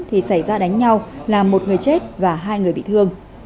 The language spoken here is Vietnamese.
thì xảy ra đánh nhau làm một người chết và hai người bị thương